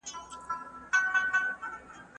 څنګه لوی سوداګر خالص زعفران پاکستان ته لیږدوي؟